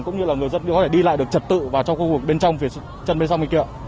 cũng như là người dân có thể đi lại được trật tự vào trong khu vực bên trong phía chân bên trong kia kìa